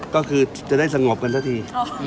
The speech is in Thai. ก็คือจะได้สงบกันสักที